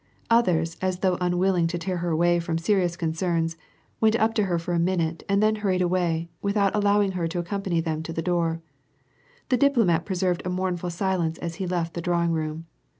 Others, as though unwilling to tear her away from serious concerns, went up to her for a minute and then hur ried away, without allowing lier to accompany them to the door. The dii^lomat preserved a mournful silence as he left the drawing room.